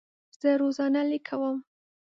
زه روزانه لیک کوم.